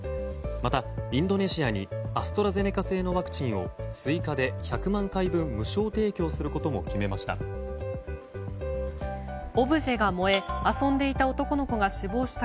またインドネシアにアストラゼネカ製のワクチンを追加で１００万回分無償提供することも決めました。